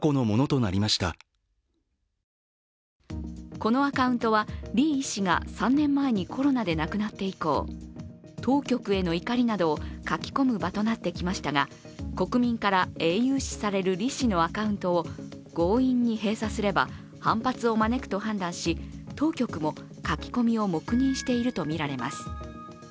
このアカウントは李医師が３年前にコロナで亡くなって以降、当局への怒りなどを書き込む場となってきましたが、国民から英雄視される李氏のアカウントを強引に閉鎖すれば、反発を招くと判断し当局も書き込みを黙認しているとみられます。